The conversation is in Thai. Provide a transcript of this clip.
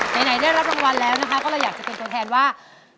ไหนได้รับรางวัลแล้วนะคะก็เลยอยากจะเป็นตัวแทนว่า